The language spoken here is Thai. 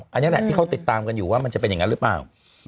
อันนี้แหละที่เขาติดตามกันอยู่ว่ามันจะเป็นอย่างนั้นหรือเปล่า